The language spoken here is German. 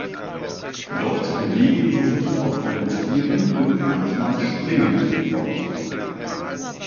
Dort bewegen sie sich auf allen vieren und manchmal springend fort.